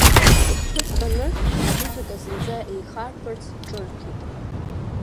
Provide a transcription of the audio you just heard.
Ԥыҭк аныржә, амузыка зынӡа еихаркырц, ҿырҭит.